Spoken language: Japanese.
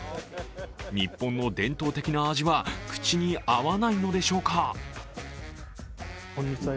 日本の伝統的な味は口に合わないのでしょうか。